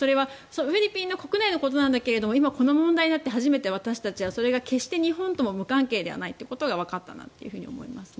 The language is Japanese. フィリピン国内のことなんだけど今、この問題になって初めて私たちはそれが日本とは無関係ではないということがわかったなというふうに思いますね。